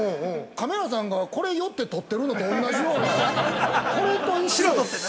カメラさんがこれに寄って撮ってるのとおんなじような。